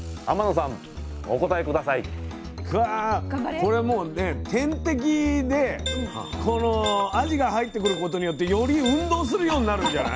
これもうね天敵でこのアジが入ってくることによってより運動するようになるんじゃない？